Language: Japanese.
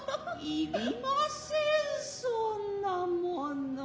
要りませんそんなもの。